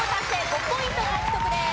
５ポイント獲得です。